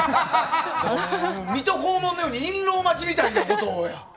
「水戸黄門」のように印籠待ちみたいなことや。